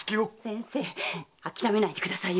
先生諦めないでくださいよ。